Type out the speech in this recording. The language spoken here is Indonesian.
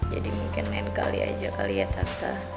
jadi mungkin lain kali aja kali ya tante